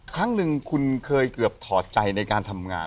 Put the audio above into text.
ครั้งหนึ่งคุณเคยเกือบถอดใจในการทำงาน